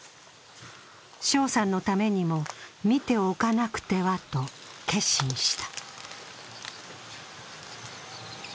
翔さんのためにも見ておかなくてはと決心した。